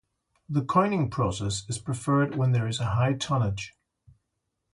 The coining process is preferred when there is a high tonnage.